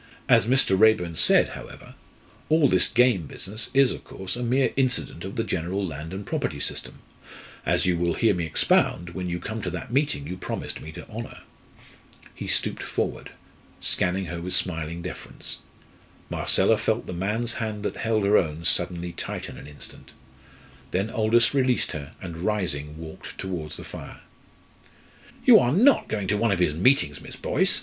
As Mr. Raeburn said, however, all this game business is, of course, a mere incident of the general land and property system, as you will hear me expound when you come to that meeting you promised me to honour." He stooped forward, scanning her with smiling deference. Marcella felt the man's hand that held her own suddenly tighten an instant. Then Aldous released her, and rising walked towards the fire. "You're not going to one of his meetings, Miss Boyce!"